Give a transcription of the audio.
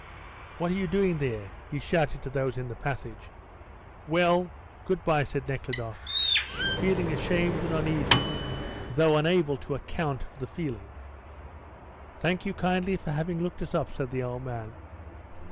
"What are you doing there?" he shouted to those in the passage. "Well, good bye," said Nekhludoff, feeling ashamed and uneasy, though unable to account for the feeling. "Thank you kindly for having looked us up," said the old man.